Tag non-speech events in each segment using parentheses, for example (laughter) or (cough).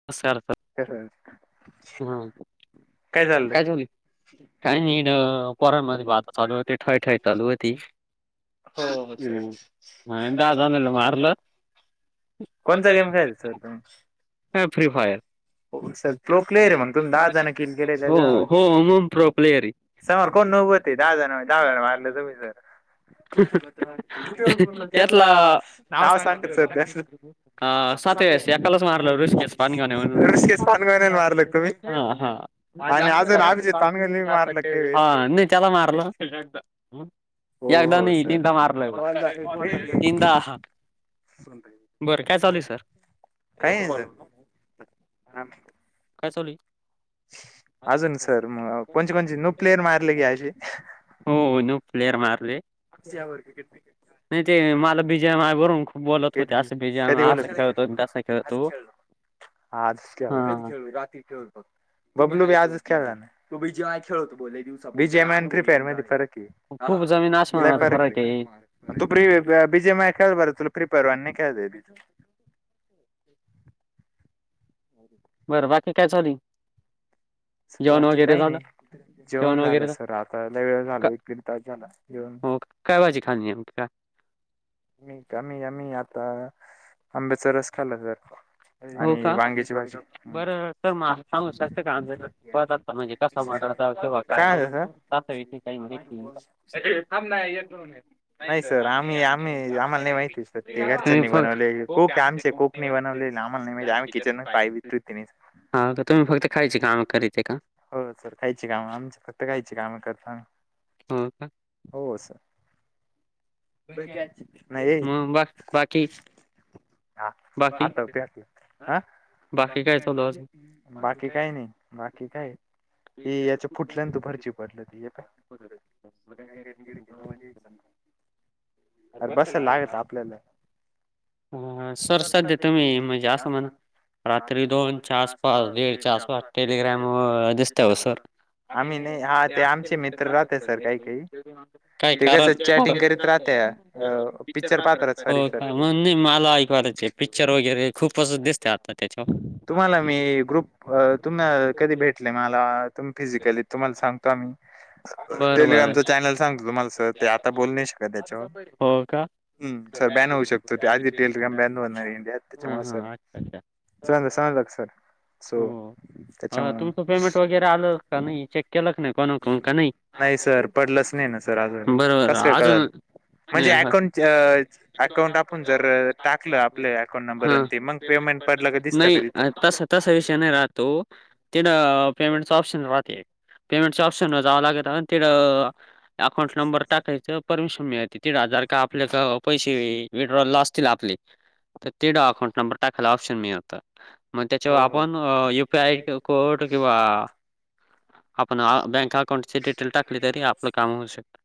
(unintelligible) (unintelligible) काय चालयं (unintelligible) परत म्हणे वाद बात चालू होते ठय ठय चालू होती (unintelligible) हो-हो सहजच अन् दहा जणाला राजानने मारलं. कोणता गेम खेळायंच सर तुम्ही हा फ्री फायर ् सर प्रो प्लेयर आहे मग तुम्ही दहा जण किल केले हो त्याच्या होम प्रो प्लेअर समोर कोण नोभतते दादा दाने मारलं तुम्ही जर (inaudible) त्यातला त्यातलं नाव सांग सांगत सर त्याचं ह श्याकलस मारला रस पा ऋषिकेश ह पानगवण्याने मारलं का तुम्ही आणि अजून अभिजित पानगवण्याने मारलं का काही वेळेस (inaudible) त्याला मारलं हो एकदाम हो नाही सर तिनदा मारलं तिनदा बरं काय चालू आहे सर ह काय चालू अजून सर मग कोणचे कोणचे नू प्लेयर मारले गे असे हो नू प्लेअर मारले नाही ते मला बीजयम बरून खूप बोलत होते असं बीजयम असं खेळत हो त आज खेळ आज खळ हा खेळ रात खेळघ बबलू बी आजच खेळला ना तू बीजे माय खेळतो बोवस बजय प्रिपेअर माती फरक आहे खूप जमीन आसमानाचा फरक आहे. प्र बीजय मय ख बर तु प्रिपरवान क बरं बाकी काय चाली बाकी काही नाही जेवण झालं सर आता ल वेळ झाल का एक दीड तास झाला जेवण हो का? काय बाजी खा का आही आम्ही आता आंब्याचा रस खाल्ला तर हो का बरं सर म सांगू शकत काम म्हणजे कस मट तेघ काय सर काही थांब नाही नाही सर आम्ही आम्ही आम्हाला नाही सर ते माहिती घरच्यांनी बनवले खूप कोक आमचे कुणी कोकणी वज बनवलेले आम्हाला नाही माहिती आम्ही किचन पाय बी धुत नाही. हा तुम्ही फक्त खायची काम करीत आहे का हो सर काहीची काम आमच फक्त काहीची काम करता होा का हो सर नाही मग बा बाकी हा ह बाकी ते हा बाकी काय बाकी काय नाही बाकी काय ते ती याच याच्या खूप फुटलं आणि तू त भरची पडलं ती हे पाय, काययच अरे बस लागत आपल्याला ह सर सध्या तुम्ही म्हणजे असं म्हणा रात्री दोनच्या आसपास दीडच्या आसपास टेलिग्रॅम दिसत हो सर आम्ही हा नाही ते आमचे म मित्र राटव राहते सर काही काही ते कसं चॅटिंग करीत राहते पिक्चर पाहत ् सॉरी मग सर नाही मला ऐकवायचे पिक्चर वगैरे खूपच दिसत त्याच्या तुम्हाला मी ग्रुप अ तुमला कधी भेटले मला तुम्ही फिजिकली तुम्हाला सांगतो आम्ही बरं, बरं. टेलिग्रामचचा चॅनल सांगतो तुम्हाला स ते आता बोलणे शक आ हो का हम् सर बॅन हवऊ शकत आित्यल का बॅ बणार चच्या हां, मर हां. अच्छा अच्छा सो हो त्याच्यामुळं तुमचं पेमेंट वगैरे आलं का नाही चेक केलक नाही कोण कोण का नाही सर पडलंच नाही ना सर अजून बरोबर कसं काय कळल आजून म्हणजे अकाउंट अकाउंट आपण जर टाकलं आपल्या अकाउंट हा नंबरनंत मग पेमेंट पडलं का दिसतं का नाही तिथं तस तसा विषय नाही राहतो तथं पेमेंटच ऑप्शन राहते पेमेंट ऑप्शन जावं लागेत तं अकाउंट नंबर टाकायच परमिशन मिळते तीड हजार का आपल्या पैसे विड्रॉल असतील आपले तर तेढा अकाउंट नंबर टाकायला ऑप्शन मिळतं मग त्याच्यावर हो हो आपण यु पी आय हो कोड किंवा आपण बँक अकाउंटचे डिटेल टाकली तरी आपलं काम होऊ शकतं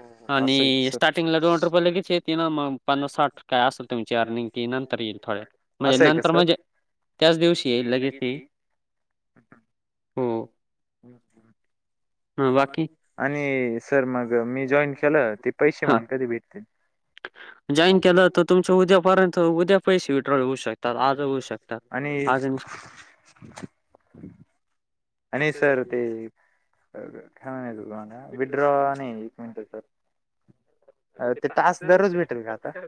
हो असं आहे आणि स्टार्टिंग ला डोवं रुपयला कचेती ना पन्नास साठ काय असेल तुमची अर्निंग की नंतर येईल थोडे म्हणजे असं आहे का नंतर सर म्हणजे त्याच दिवशी लगेच (inaudible) हो. हं, बाकी आणि सर मग मी जॉईन केलं ते पैसे मागतात कधी भेटतील जॉईन केलं तर तुमच्या उद्यापर्यंत उद्या पैसे विड्रॉल येऊ शकते. आणि आणि सर ते काय म्ह तु विड्रॉ नाही एक मिनिटच. अ ते तास दररोज भेटेल का आता.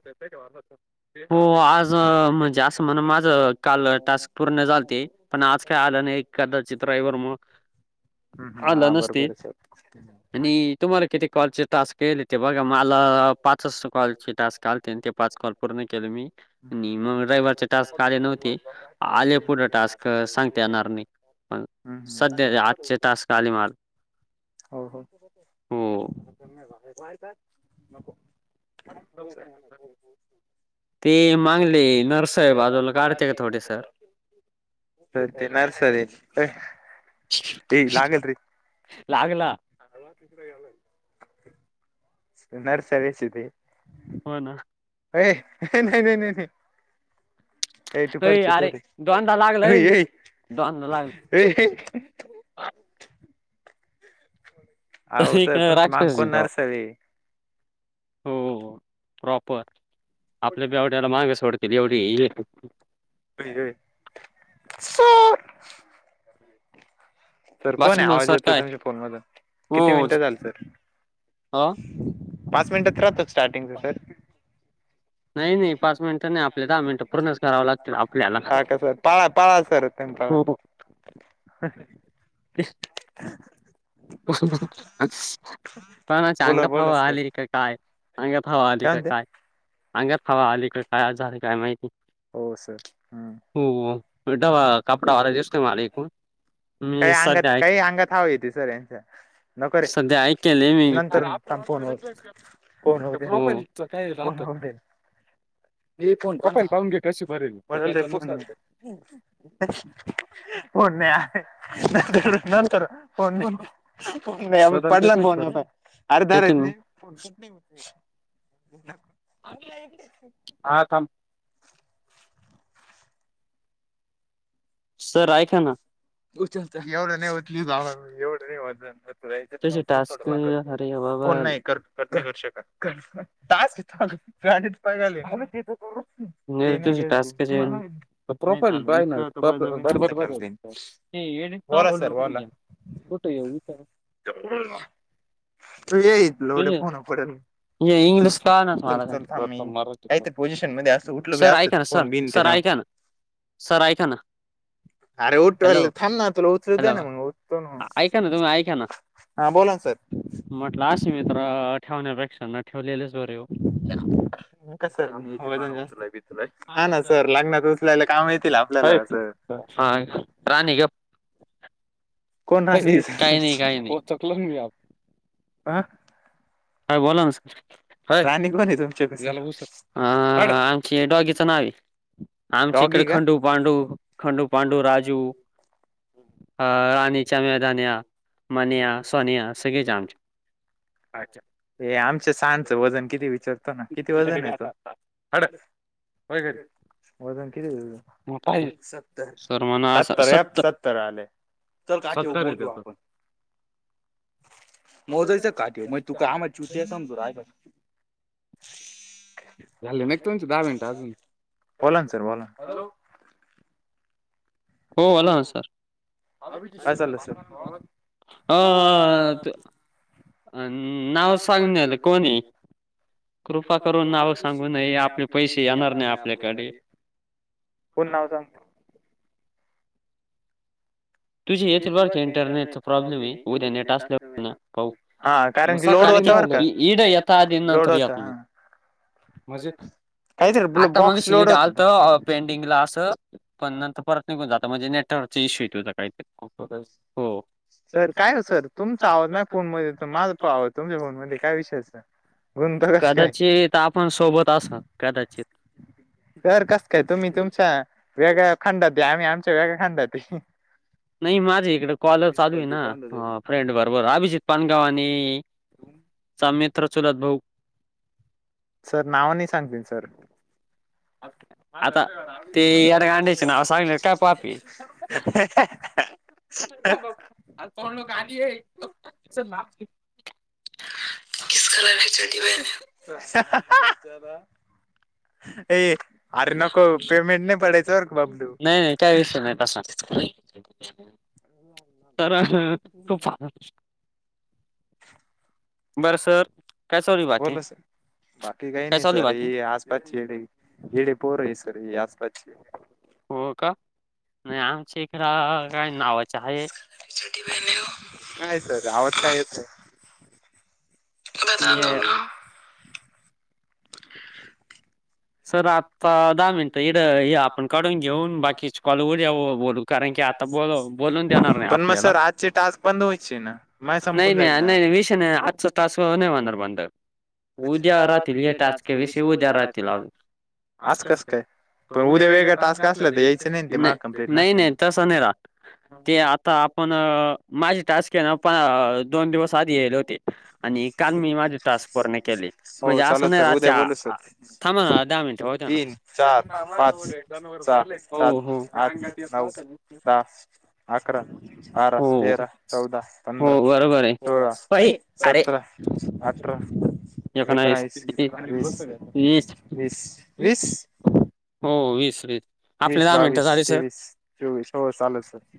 हो आज जास्त म्हण माझं काल टास्क पूर्ण झालते पण आज काय आलं नाही एखादा चित्रवर मग हम्म हम्म हा बरोबर स आणि तुम्हाला किती कॉलचे टास्क केल ते बघा. मला पाच कॉल टास आलते ते पाच कॉल पूर्ण केले मी आणि मग ड्रायव्हरच्या टास्क आले नव्हते आले पुढे टास्क सांगते येणार नाही. पण सध्या र सर आजचे टास्क आले माझे. हो हो हो. (inaudible) अ सर ते मागले नरसाहेब बाजूला काढते का थोडे सर. सत्या नर्स दे लागला. य आला नर्स बेस ते हो ना अ नाही नाही नाही नाही एटी अय परसेंट अरे होते. दोनदा लागला अय. दोनदा लागला. त अहो सर तुमच्या माग राजक्षस जी कोण का नर्सरी हो प्रॉपर आपल्या बेवड्याला माग सोडते. (unintelligible) वडी (inaudible) तर कोण बाकी आहे मग आवाज सर येतोय काय तुमच्या फोन मधून किती मिनटं झाल सर? हां पाच मिनिटच राहतो स्टार्टिंगच सर. नाही नाही पाच मिनिटं नाही आपल्या दहा मिनटं पूर्णच करावं लागतील आपल्याला हा हो का सर पळा पाळा असर तेम पळा. (inaudible) हो. पण बोला चांगला भाव बोला सर आले का काय. अंगात हवा आली का काय अंगात हवा आली का काय आजार काय माहिती. हो सर हम्म हो बेठवा कपड ऑर्डरचसक म एक काही अंगात काही अंगात हवं येते सर यांच्या. नको रे सध्या ऐकले मी. नंतर थांब फोन होऊ फोन होऊ द्या काय राहतात. म फोन पण झा बडल र फोन. पण नाही आहे नंतर फोन फोन नाही आम्ही पडला फोन अरे येते धरायचं ना नाही. क (unintelligible) हां (unintelligible) सर ऐका ना. उच एवढं नाही होत लि एवढं नाही होत तुझे टास्क च्या अरे बाबा फोन नाही कर. कक वर्ष (unintelligible) काॅ पा (unintelligible) टास्क जे हाय ना नाही प्रोफाईल चालू बाय इतकं तर बळजबरी नसतं बरोबर केलं ब त्यांनी. (unintelligible) हे ये बोला सर बोला (unintelligible) कुठं गेला? तू येई हितनच (unintelligible) फोन पडल. हे इंग्लिश कळनाच चल मला काय चल थांब मी कायत पोझिशन मध्ये अस उठलो ब सर ऐका असत ना सर फोन बिन सर जाऊ ऐका ना सर ऐका ना (unintelligible) अरे उठ हॅलो थांब ना तुला विचलु दे हॅलो ना मग ऐका ना तुम्ही ऐका ना (unintelligible) हा बोला ना सर. म्हटलं असे मित्र ठेवण्यापेक्षा न ठेवलेलेच बरे हो. (inaudible) कस हा ना सर लग्नात उचलायला काम येतील आपल्याला असं. हा. राणी ग कोण राणी काही नाही आसची. काही नाही चकलो मी आप अह काय बोला ना सर. अय निको नको आमची डॉगीचं नाव हे. आमच्या इकडे खंडू पांडू - पांडू राजू अ राणीच्या मैदान्या (inaudible) मनिया, सोनिया सगळेच आमचे. अच्छा. हे आमच्या सांडचं वजन किती विचार? ना किती वजन येतो. वजन किती? (unintelligible) म्हणा असं सत्तर याप सत्त सत्तर आलेय. चल काठीवू मोजू आपण. मोजयच काटेवर मग तू का आम चूस्या समजू राहिला. (unintelligible) बोला ना सर. बोला. हॅलो. हो. आला ना सर. काय चाललं सर आ आत. अ नाव सांगणेले कोणी. कृपा करून नावं सांगू नये आपले पैसे येणार नाही आपल्याकडे. पुन नाव सांगतो. तुझी येथील बरक इंटरनेटचा प्रॉब्लेम हे उद्या नेट असल्यावर पाहु. हा कारण की मसा लोड का होतं बरं इड यथा का लोड होता दिनांतरीत म हा (unintelligible) म्हणजे काहीतरी आता मग बॉक्स लोड शेट होता आलत - - पेंडिंगला असं पण नंतर परत निघून जातं म्हणजे नेटवर्कचा इश्यू येतोय- - (unintelligible) हो तर सर काय हो सर तुम तुमचा आवाज माझ्या फोन मध्ये (unintelligible) येतो कर माझा तुमच्या फोन मध्ये काय विषयच नाही. कदाचित आपण सोबत असत कदाचित. तर कसं काय तुम्ही तुमच्या वेगळ्या खंडातहे आम्ही आ - - वेगळ्या खंडात हे. नाही माझी इकडे कॉलच चालू हे ना अ फ्रेंड बरोबर अभिजित पाणगाव अणि चा मित्र चुलत भाऊ. सर नाव नई सांगतील सर. असं काय. आता ते (unintelligible) नाव सांगितलं का पाप ये. थांबव अग जाऊ नको आत ये. (unintelligible) करा ह्यच्या वर ह, ह, हा. ए अरे नको पेमेंट नाय पडायचा बर का बबलू. काहीच नाही तसा. तर अ खूप झापून बरं सर काय चालू बाकी बोला सर बाकी काही काय नाही चालू सर बाकी हे आज पाच येडे येडे पोर ही सर्व आज कालची. हो का नाही आमच्या इकड ह काय नावाच आहे आय आवत् येत बता दऊ ना (unintelligible) सर आत्ता दहा मिनिटं आपण काढून घेऊन बाकी कॉलवर बोलू कारण की आता बोल बोलून देणार नाही पण मग आपल्याला सर आजचे टास्क बंद व्हायचे ना माय नाही नाही संपून जाईल नाही ना नाही विषय नाही आजचा टास्क नाही होणार बंद उद्या राहतील हे टास्के विषय उद्या राहतील अस कस काय पण उद्या वेगळं वेगळा काम टास्क असल असला तर ते यायचं ते मला नाही कंप्लीट नाही नाही नसल्यामुळे तस नाही राहत ते आता आपण अ माझी टास्क येना पण दोन दिवस आधी येल होते आणि काल मी माझे टास्क पूर्ण केले हो म्हणजे चालेल असं नाही सर उद्या अच्छा बोलू सर अ थांबा ना दहा होऊ द्या ना तीन चार पाच सहा हो सात हो आठ नऊ दस अकरा बारा हो तेरा चौदा हो पंधरा बरोबर आहे. सोळा पै अरे सतरा अठरा एकोनावीस वीस वीस वीस हो वीस वीस आपले वीस दहा मिनिटं बावीस झाले सर तेवीस चोवीस हो चालेल सर